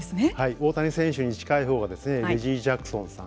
大谷選手に近いほうがレジー・ジャクソンさん。